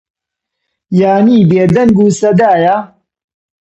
یانی بێدەنگ و سەدایە